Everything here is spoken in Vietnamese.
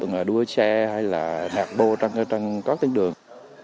từng là đua xe hay là nạc bô trong các tiếng đường